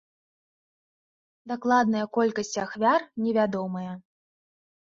Дакладная колькасць ахвяр невядомая.